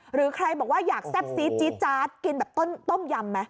หรือใครบอกว่าอยากแซ่บซีดจี๊จาดกินแบบต้มยำไหม